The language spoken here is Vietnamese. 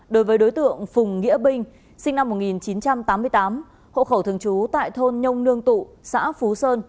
đối với đối tượng phùng nghĩa binh sinh năm một nghìn chín trăm tám mươi tám hộ khẩu thường trú tại thôn nông nương tụ xã phú sơn